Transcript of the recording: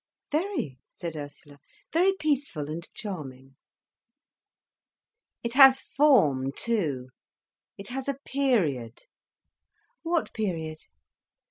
"Very," said Ursula. "Very peaceful and charming." "It has form, too—it has a period." "What period?"